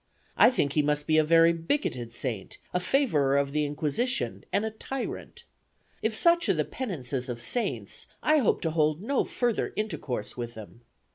I think he must be a very bigoted saint, a favorer of the Inquisition, and a tyrant. If such are the penances of saints, I hope to hold no further intercourse with them.